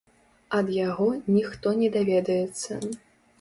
Ад яго ніхто не даведаецца.